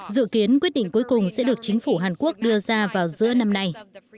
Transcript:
dự kiến quyết định cuối cùng sẽ được chính phủ hàn quốc đưa ra vào giữa năm nay